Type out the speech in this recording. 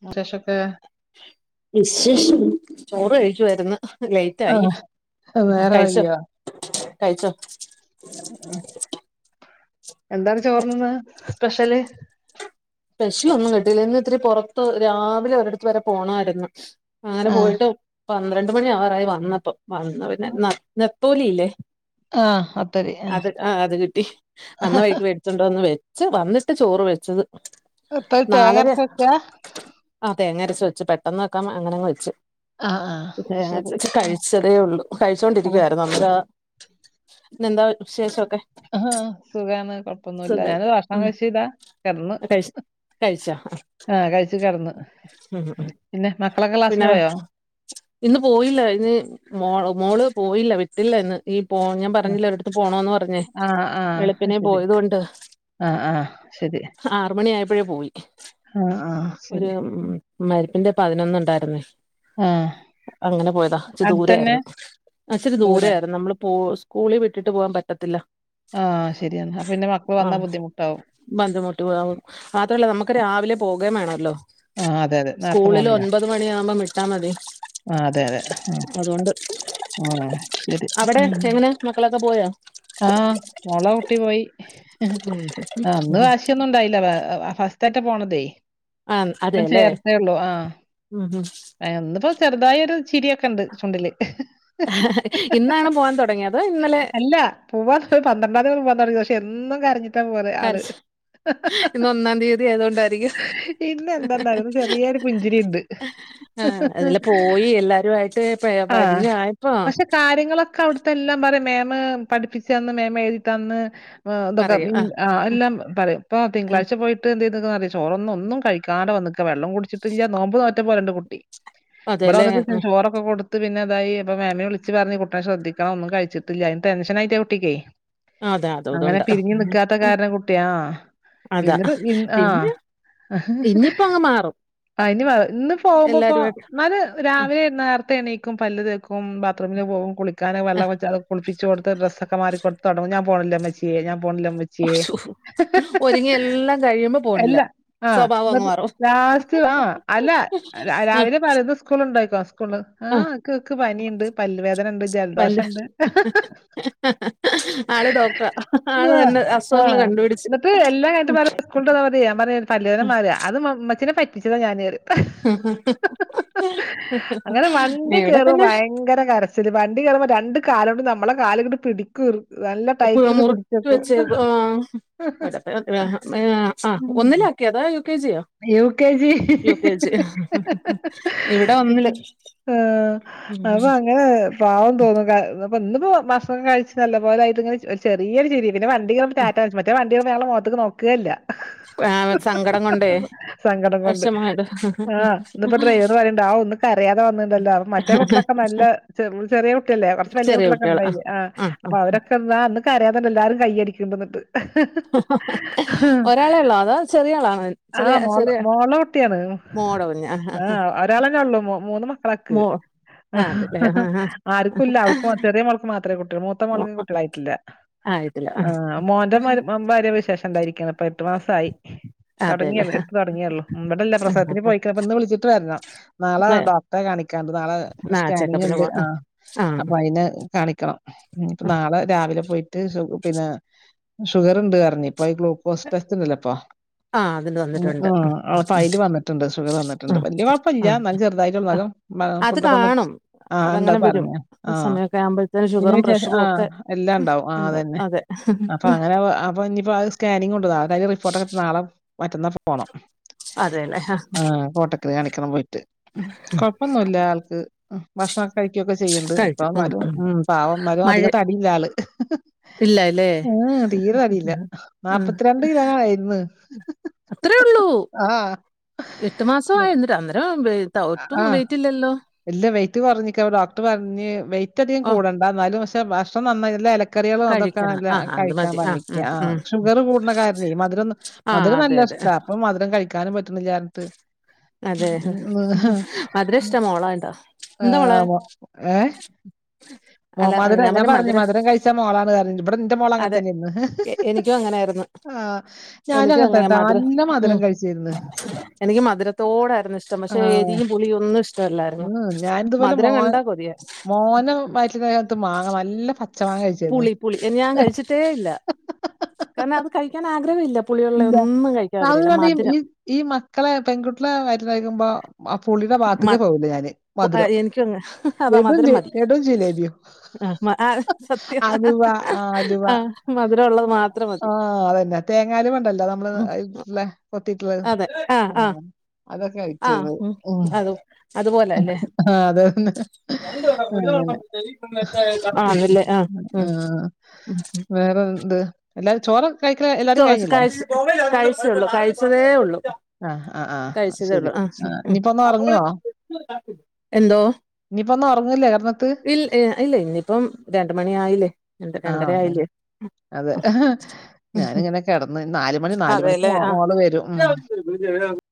[unintelligible] ക്കേ വിശേഷം ചോറ് കഴിച്ചു വരുന്ന് ലൈറ്റായി ആഹ് നേരം കഴിച്ചോ വൈകിയോ കഴിച്ചോ എന്താണ് ചോർന്‌ന്ന് സ്പെഷ്യല് പെഷ്യല് ഒന്നും കിട്ടിയില്ല ഇന്ന് ഇത്തിരി പൊറത്ത് രാവിലെ ഒരിടത്ത് വരെ പോണമായിരുന്നു അങ്ങനെ ആഹ് പോയിട്ട് പന്ത്രണ്ട് മണി ആവാറായി വന്നപ്പം വന്ന് പിന്നെ ന്ന നത്തോലി ഇല്ലേ ആഹ് വത്തല് അത് ആഹ് അത് കിട്ടി വന്ന വഴിക്ക് വേ ച്ചൊണ്ടോന്ന് വെച്ച് വന്നിട്ട് ചോറ് വെച്ചത് വത്തല് നാലരെ തേങ്ങരച്ച് വെക്കാ ആഹ് തേങ്ങ അരച്ച് വെച്ച് പെട്ടന്ന് വെക്കാൻ അങ്ങനങ്ങ് വെച്ച് ആഹ് ആഹ് അത് തേങ്ങരച്ച് ശരി വെച്ച് ആഹ് കഴിച്ചതേ ഉള്ളൂ അതെ കഴിച്ചോണ്ടിരിക്കുവായിരുന്നു അ [unintelligible] പിന്നെന്താ വിശേഷൊക്കെ ആഹ് സുഖാന്ന് കൊഴപ്പൊന്നുല്ല ഞാനത് ഭക്ഷണം ഉം കഴിച്ചീല്ല കെട്ന്ന് കഴിച്ച് കഴിച്ചോ ആഹ് കഴിച്ച് കടന്ന് ഉം ഉം പിന്നെ മക്കളൊക്കെ പിന്നെ ക്ലാസിന് പോയോ ഇന്ന് പോയില്ല ഇന്ന് മോ മോള് പോയില്ല ട്ടില്ല ഇന്ന് ഈ പോ ഞാൻ പറഞ്ഞില്ലേ ഒരിടത്ത് പോണോന്ന് പറഞ്ഞേ ആഹ് ആഹ് അത് വെളുപ്പിനെ ശരി പോയത് കൊണ്ട് ആഹ് ആഹ് ശരി ആറു മണി ആയപ്പഴേ പോയി ആഹ് ആഹ് ഒരു ശരി മരിപ്പിന്റെ പതിനൊന്നുണ്ടായിരുന്നേ ആഹ് അങ്ങനെ പോയതാ ഇച്ചിരി അടുത്തന്നെ ദൂരെയായിരുന്നു ആച്ചരി ദൂരെ ദൂരെയായിരുന്നു നമ്മള് പോ കൂളി വിട്ടിട്ട് പോകാൻ പറ്റത്തില്ല ആഹ് ശരിയാണ് അപ്പൊ പിന്നെ മക്കള് വന്നാ ബുദ്ധിമുട്ടാവും ബന്ധിമുട്ട് പാവും മാത്രല്ല നമ്മക്ക് രാവിലെ പോകയും വേണല്ലോ ആഹ് അതെ അതെ നേരത്തെ സ്കൂളില് പോണല്ലേ ഒൻപത് മണിയാവുമ്പം വിട്ടാ മതി ആഹ് അതെ അതെ ആഹ് അതുകൊണ്ട് ആഹ് ശരി അവിടെ ഉം എങ്ങനെ മക്കളൊക്കെ പോയോ ആഹ് മോളെ കുട്ടി പോയി ഉം അന്ന് കാശൊന്നുണ്ടായി ല്ല [unintelligible] ഫസ്റ്റായിട്ട പോണതേ ആഹ് അപ്പം അതെല്ലേ ചേർത്തിയെള്ളൂ ആഹ് ഉം ഒന്നിപ്പോ ചെറുതായൊരു ചിരിയൊക്കെ ഉണ്ട് ചുണ്ടില് ഇന്നാണ് പോവാൻ തുടങ്ങിയത് ഇന്നലെ അല്ല പോവാ പന്ത്രണ്ടാംയൾ പോവാൻ തുടങ്ങു പക്ഷെ എന്നും കരഞ്ഞിട്ട് ഇത്തം പോലെ ആള് കരച്ച ഇന്ന് ഒന്നാം തീയതി ആയതുകൊണ്ടായിരിക്കും ഇന്ന് എന്താ നടന്നത് ചെറിയൊരു പുഞ്ചിരി ഇണ്ട് എല്ലാരു ആയിട്ട് പെ പരിചയായപ്പോ പക്ഷെ കാര്യങ്ങളൊക്കെ അവിടുത്തെ എല്ലാം പറയും മേമ പഠിപ്പിച്ചു തന്ന് മേമ എഴുതി തന്ന് വാ അതൊക്കെ [unintelligible] ആഹ് എല്ലാം പറയും ഇപ്പൊ ആഹ് തിങ്കളാഴ്ച പോയിട്ട് എന്ത്‌ചെയ്തക്ക് ന്നറിയോ ചോറൊന്നുംഒന്നും കഴിക്കാണ്ട് വന്നിക്ക വെള്ളം കുടിച്ച് ത്തില്ല നോമ്പ് നോറ്റ പോലുണ്ട് കുട്ടി ഇവിടെ അതെല്ലേ വന്നിട്ട് ഞാ ആഹ് ചോറൊക്കെ കൊടു ത്ത് പിന്നതായി ഇപ്പൊ മേമെ വിളിച്ച് പറഞ്ഞ് കുട്ടിനെ ശ്രദ്ധിക്കണം ഒന്നും കഴിച്ചിട്ടില്ല അയിന് ടെൻഷനായിട്ട കുട്ടിക്കേ അതാ അങ്ങനെ അതുകൊണ്ട് പിരിഞ്ഞു നിക്കാത്ത കാരണം കുട്ടി ആഹ് അതാ എന്നിട്ട് ഇന് ആഹ് പിന്നെ ഇനിയിപ്പോ അങ്ങ് മാറും അയിന് ഇന്ന് പോകുമ്പോപ്പോ എല്ലാരുമായിട്ട് ന്നാല് ആ, രാവിലെ നേർത്തെ എണീക്കും പല്ല് തേക്കും ബാത്രറൂമില് പോകും കുളിക്കാന് ആ. വെള്ളം വച്ച അത് കുളപ്പിച്ചോടു ഡ്രസ്സക്കെ മാറി കൊടുത്ത തൊടങ്ങും ഞാൻ പോണില്ലുമ്മച്ചിയേ ഞാൻ പോണില്ലുമ്മച്ചിയേ ഉശ്ശൂ. ഒരുങ്ങി എല്ലാം കഴിയുമ്പോ പോണില്ല എല്ല ആഹ് സ്വഭാവം അങ്ങ് ന്നിട്ട് മാറും ലാസ്റ്റ് ആഹ് അല്ല ആഹ് രാവിലെ പറത് ഉസ്കൂളിണ്ടൊ യിക്കോ സ്കൂള് ആഹ് ക്ക് ക്ക് പനിയിണ്ട് പല്ലുവേദനണ്ട് പല്ല് ജലദോഷണ്ട് [unintelligible] ആള് ഡോക്ടറ ആള് ആഹ് തന്നെ അസുഖങ്ങള് കണ്ടുപിടിച്ച് ന്നിട്ട് പറയും സ്കൂളിട്ട് വന്ന റയും പറഞ്ഞ ഞമ്പാറിയൂ പല്ല് വേദന മാറിയ അതുമ്മച്ചിനെ പറ്റിച്ചതാ ഞാന് റയും അങ്ങനെ [unintelligible] വണ്ടി കേറൂ പിന്നെ ഭയങ്കര കരച്ചില് വണ്ടി കേറുമ്പോ രണ്ട് കാലോണ്ടും നമ്മളെ കാലങ്ങട് പിടി മുറുക്കി വച്ച് ആഹ് [unintelligible] ഉം ഒന്നില കെതാ യു കെ ജിയോ U K G U KG ഇവിടെ ഒന്നില് ആഹ് ഉം അപ്പൊങ്ങനാ പാവം തോന്നും ന്നിപ്പോ ഇന്നിപ്പോ ഭക്ഷണം കഴിച്ച് നല്ലപോലായിട്ട് ഇങ്ങനെ ചെറിയൊ രു ചിരി പിന്നെ വണ്ടി കേറുമ്പോ റ്റാറ്റാ കാണിച് മറ്റത് വണ്ടി കേറുമ്പോ ഞങ്ങളെ മുഖത്ത്ക്ക് നോക്കേ ല്ല ആഹ് സങ്കടം കൊണ്ടേ സങ്കടം കൊണ്ട് വിഷമായത് ആഹ് ഇന്നിപ്പോ ഡ്രൈവർ പറയണ്ട് ആഹ് ഒന്ന് കരയാതെ വന്നിണ്ടല്ല ന്ന് മറ്റേ കുട്ടികളൊക്കെ നല്ല വള് ചെറിയ കുട്ടിയല്ലേ കുറച്ച് വല്യ ചെറിയ കുട്ട്യളൊക്കെ കുട്ടികള് ഉണ്ടയില് ആഹ് ആ ആ അപ്പൊ അവരൊക്കെ ക്കെന്ന ഇന്ന് കരയാതെ എല്ലാരും കയ്യടിക്കെന്നിറ്റ് ഒരാളെ ഉള്ളോ അതോ ചെറിയ ആളാണ? ആഹ് മോള മോള ട്ടിയാണ് മോടെ കുഞ്ഞാ ആഹ് ഒരാളെന്നേ ഉള്ളു മൂന്ന് മക്കളക്ക് മോ ആ അതല്ലേ ആ ആർക്കുംല്ല അവൾക്ക് ചെറിയ മോ ൾക്ക് മാത്രേ കുട്ടികൾ മൂത്തമോൾക്ക് ആ കുട്ടികളായിട്ടില്ല ആയിട്ടില്ല ആ ആഹ് മോന്റെ ഭാര്യ വിശേഷം ഇണ്ടായിരിക്ക് ന്ന് ഇപ്പൊ എട്ടു മസായി അതെല്ലേ തുടങ്ങിയെള്ളൂ എട്ട് തുടങ്ങിയെള്ളോ ഇവിടില്ല പ്രസവത്തിന് പോയിക്ക്ണ് പ്പൊന്ന് വിളിച്ചിട്ട് വരണം നാള ഡോക്ട കാണിക്കാണ്ട് നാളെ ആ സ്കാനിങ് ചെക്കപ്പിന് ഇണ്ട് പോ ആഹ് ആ അപ്പൊ അയിന കാണിക്കണം ന്നിട്ട് നാളെ രാവിലെ പോയിട്ട് പിന്ന ഷുഗറിണ്ട് അറഞ്ഞ് ഇപ്പ ഈ ഗ്ലൂക്കോസ് ടെസ്റ്റ് ഇണ്ടല്ലപ്പൊ ആഹ് അതിണ്ട് വന്നിട്ടൊണ്ട് അയില് വന്നിട്ടുണ്ട് ഷുഗർ വന്നിട്ടുണ്ട് ആഹ് വല്യ കൊഴപ്പല്ല ആഹ് എന്നാലും ചെറുതായിട്ടുള്ളൂ ആഹ് എന്നാലും അത് ഫുഡൊക്കെ ഒന്ന് കാണും ആഹ് ഇണ്ട് അതങ്ങനെ വരും പറഞ്ഞ് ആഹ് സമയൊക്കെ ആവുമ്പോഴത്തെന് പിന്നെ ഷുഗറും വിശേഷം പ്രഷറും ആഹ് ഒക്കെ എല്ലാം ഉണ്ടാവും ഉം ആഹ് അതന്നെ അതെ അപ്പൊ അങ്ങനെ അപ്പ ഇഞ്പ്പോ അഹ് സ്കാനിങ്ങുണ്ട് നാളെ അയിന്റെ റിപ്പോർട്ടക്കെ ഇട്ത്ത് നാളെ മറ്റന്നാ അപ്പം പോണം അതെല്ലേ ആ ആഹ് കോട്ടക്കല് കാണിക്കണം പോയിട്ട് കൊഴപ്പൊന്നുല്ല ആൾക്ക് ഭക്ഷണൊക്കെ കഴിക്കുവൊക്കെ ചെയ്യണ്ട് ഇപ്പൊ എന്നാലും ഉം പാവം ഇന്നാലും മഴ അധികം തടിയില്ല ആള് ഇല്ലല്ലേ ഉം തീരെ തടിയില്ല ഉം. ഉം. നാല്പ്പത്തിരണ്ട് കിലോനായിരുന്ന് അത്രേ ഒള്ളൂ ആഹ് എട്ട് മാസമായി എന്നിട്ട് അന്നേരം ഒട്ടും ആ വെയിറ്റില്ലല്ലോ? ഇല്ല വെയിറ്റ് കൊറഞ്ഞിക്ക അപ്പൊ ഡോക്ടർ പറഞ്ഞ് വെയിറ്റ് അധികം ഓ കൂടണ്ട ഇന്നാലും പക്ഷെ ഭക്ഷണം നന്നായി നല്ല എല ക്കറികളോ അതൊക്കെ കഴിക്കണം നല്ല ആ ആ, അത് കഴിക്കാൻ മതി പറിഞ്ഞിക്ക്യ ഉം, ആ ഉം. ഷുഗർ കൂട്ണ കാരണേ മധുരം ഒന്ന് ആ മധുരം അതെ നല്ല അതെ ഇഷ്ട. ഇപ്പൊ മധ്രം കഴിക്കാനും പറ്റ്ണില്ലാർഞ്ഞിട്ട്. അതെ മധുര ഇഷ്ട്ട മോളായോണ്ട ആഹ് മോ ഏഹ്? ഓ അല്ല ഞാൻ മധുരം ഞാം പറഞ്ഞ പറഞ് മധുര മധുരം കഴിച്ച മോളാണ് പറിഞ്ഞ ഇബടെ ഇന്റെ മോള് അങ്ങൻ അതെ തന്നെയിരുന്നു എ- എനിക്കും അങ്ങനെയായിരുന്നു ആ ഞാനും എനിക്കും അങ്ങനത്തന്നെ നല്ലോം മധുരം കഴിച്ചേന്ന് എനികും മധുരത്തോടായിരുന്നു ഇഷ്ടം പക്ഷെ ആഹ് ഏരിം പുളിയും ഒന്നും ഇഷ്ടവല്ലായിരുന്നു മധുരം കണ്ട കൊതിയാര്ന്നു മോനെ വയറ്റിള്ള സമയത്ത് മാങ്ങ നല്ല പച്ച പുളി പുളി എന്ന് ഞാൻ കഴിച്ചിട്ടേ ഇല്ല കാരണം അത് കഴിക്കാൻ ആഗ്രഹവില്ല. പുളിയുള്ള ഇല്ല. ഒന്നും കഴിക്കാ ആഗ്രഹയില്ല അതുകൊണ്ട് മധിരം. ഈ ഈ മക്കളെ പെൺകുട്ടിയളെ വയറ്റിലഴിക്കുമ്പോ ആ പുളിയുടെ ഭാത്ത്ക്കേ മ- പോവൂല്ല ഞാന് പു- ആ, മധുരം എനിക്കും അങ്ങ് ലഡും, ജിലേ ലഡും ജിലേബിയും. ആഹ് മ ആഹ് സത്യം അലുവ ആഹ് അലുവ ആഹ് മധുരം ഒള്ളത് മാ ആഹ് അതന്നെ തേങ്ങ അലുവണ്ടല്ലോ? നമ്മള് ഉം, കൊത്തിട്ടുള്ള അതെ ആ ആ അതൊക്കെ കഴിച്ച്ര്ന്നെ തും അതുപോലെ അല്ലേ? അതെ തന്നെ. അങ്ങനെ. ആണല്ലേ? ആഹ് ആഹ് വേറെന്ത്? എല്ലാരും ചോറ ചോറ് കഴിച്ച് കഴിച്ചള്ളൂ കഴിച്ചതേ ഒള്ളൂ. ആഹ് ആഹ് അത് ശരി ആ ഉം. ഇനിയിപ്പോ ഇന്ന് ഒറങ്ങുവോ? എന്തോ? ഇഞ്ഞിപ്പൊ ഇന്ന് ഒറങ്ങില്ലേ കടന്ന്ത്ത്.? ഇൽ ഇല്ല ഇന്നിപ്പം രണ്ട് മണി ആയില്ലേ ആ, രണ്ടര ആയില്ലേ? ഉം അതെ ഞാനിങ്ങനെ കെടന്ന് നാല് മണി നാല് മണിക്ക് അതെല്ലേ മോള് വെരും. [unintelligible]